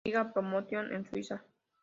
Liga Promotion en Suiza.